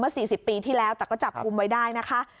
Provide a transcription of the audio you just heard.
เมื่อ๔๐ปีที่แล้วแต่ก็จับกุมไว้ได้